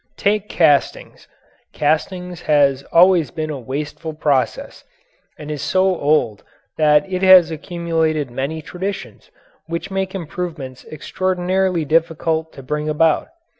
Take castings. Castings has always been a wasteful process and is so old that it has accumulated many traditions which make improvements extraordinarily difficult to bring about.